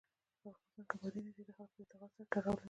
په افغانستان کې بادي انرژي د خلکو د اعتقاداتو سره تړاو لري.